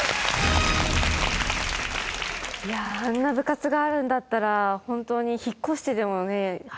いやああんな部活があるんだったら本当に引っ越してでもね入りたいですよね。